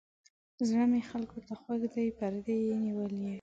زړه مې خلکو ته خوږ دی پردي یې نیولي.